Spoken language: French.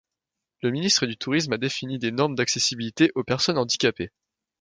Le Ministère du tourisme a défini des normes d'accessibilité aux personnes handicapées.